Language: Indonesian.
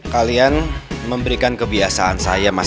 kalian memberikan kebiasaan saya